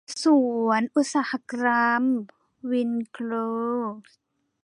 สวนอุตสาหกรรม วินโคสท์